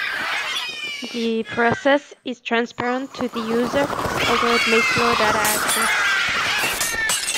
The process is transparent to the user, although it may slow data access.